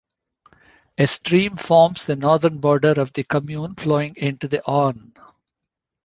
A stream forms the northern border of the commune flowing into the Orne.